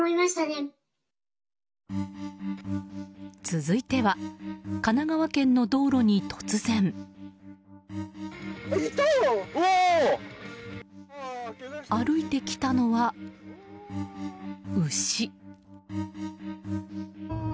続いては神奈川県の道路に突然。歩いてきたのは牛。